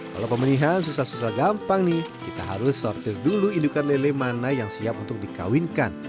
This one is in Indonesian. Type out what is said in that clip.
kalau pemilihan susah susah gampang nih kita harus sortir dulu indukan lele mana yang siap untuk dikawinkan